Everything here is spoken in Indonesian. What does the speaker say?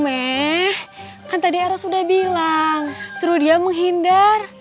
eh kan tadi eros udah bilang suruh dia menghindar